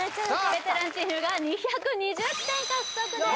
ベテランチームが２２０点獲得です